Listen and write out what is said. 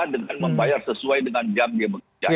dengan membayar sesuai dengan jam dia bekerja